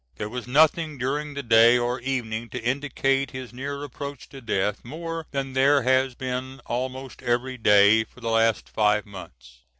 There was nothing during the day or evening to indicate his near approach to death more than there has been almost every day for the last five months.